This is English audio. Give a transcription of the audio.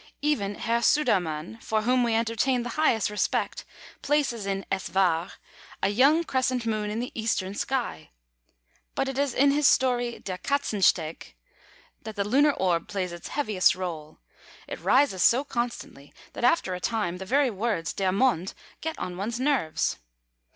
Even Herr Sudermann, for whom we entertain the highest respect, places in Es War a young crescent Moon in the eastern sky! But it is in his story, Der Katzensteg, that the lunar orb plays its heaviest rôle. It rises so constantly that after a time the very words "der Mond" get on one's nerves.